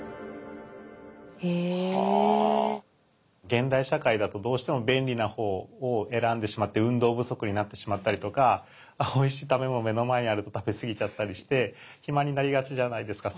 現代社会だとどうしても便利なほうを選んでしまって運動不足になってしまったりとかおいしい食べ物目の前にあると食べ過ぎちゃったりして肥満になりがちじゃないですか。